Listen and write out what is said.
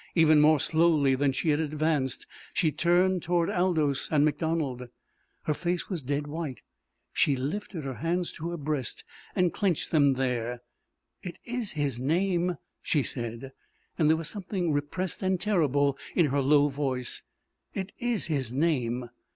Even more slowly than she had advanced she turned toward Aldous and MacDonald. Her face was dead white. She lifted her hands to her breast, and clenched them there. "It is his name," she said, and there was something repressed and terrible in her low voice. "It is his name!"